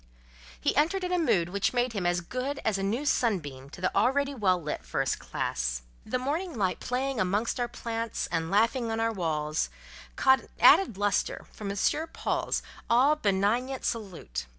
He entered in a mood which made him as good as a new sunbeam to the already well lit first classe. The morning light playing amongst our plants and laughing on our walls, caught an added lustre from M. Paul's all benignant salute.